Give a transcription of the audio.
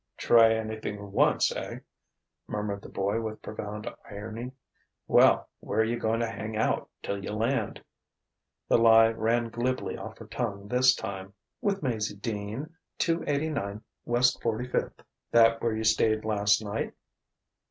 "Try anythin' once, eh?" murmured the boy with profound irony. "Well, where you goin' to hang out till you land?" The lie ran glibly off her tongue this time: "With Maizie Dean Two eighty nine West Forty fifth." "That where you stayed last night?"